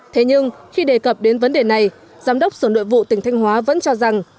thế nhưng khi đề cập đến vấn đề này giám đốc sở nội vụ tỉnh thanh hóa vẫn cho rằng